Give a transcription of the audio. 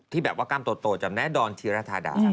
ที่แบบว่ากล้ามโตจำได้ดอนธีรฐาดาค่ะ